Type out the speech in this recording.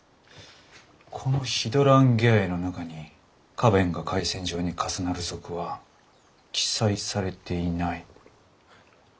このヒドランゲアエの中に花弁が回旋状に重なる属は記載されていない。